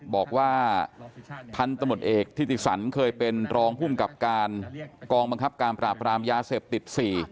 บอกว่าพันธุ์ตำรวจเอกทิติสันเคยเป็นรองภูมิกับการกองบังคับการปราบรามยาเสพติด๔